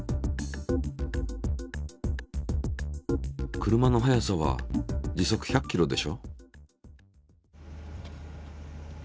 車の速さは時速１００ｋｍでしょ。